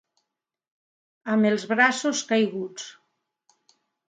Amb els braços caiguts.